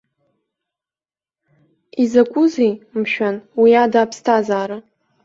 Изакәызеи, мшәан, уи ада аԥсҭазаара?